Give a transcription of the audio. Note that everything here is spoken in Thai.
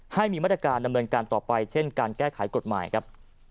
ให้มีมาตรการดำเนินการต่อไปเช่นการแก้ไขกฎหมายครับ